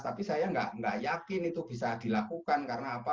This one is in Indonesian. tapi saya nggak yakin itu bisa dilakukan karena apa